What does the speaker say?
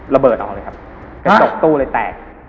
ระเบิดออกเลยครับกระจกตู้เลยแตก